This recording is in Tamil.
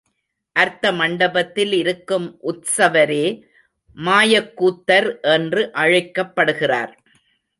அர்த்த மண்டபத்தில் இருக்கும் உத்சவரே மாயக்கூத்தர் என்று அழைக்கப்படுகிறார்.